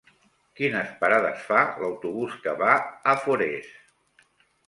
Quines parades fa l'autobús que va a Forès?